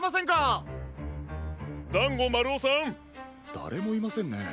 だれもいませんね。